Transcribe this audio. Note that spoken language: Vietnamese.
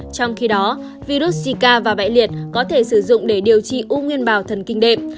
trong khi đó virus sika và bại liệt có thể sử dụng để điều trị u nguyên bào thần kinh đệm